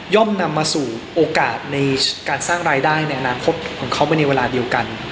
นำมาสู่โอกาสในการสร้างรายได้ในอนาคตของเขาไปในเวลาเดียวกัน